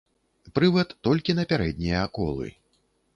Прывад толькі на пярэднія колы.